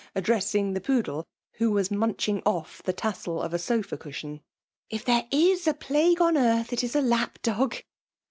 227 flddxesain^ the poodle^ xAio was nmnchmg off ibe tassel of a sofa cushion. *^ If there is a plague on earth, it is a lap dog.